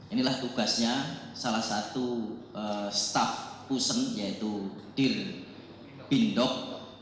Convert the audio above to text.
inilah tugasnya salah satu staff pusen yaitu dir bindok